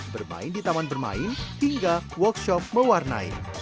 bermain di taman bermain hingga workshop mewarnai